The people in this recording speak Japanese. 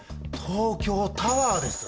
東京タワーです！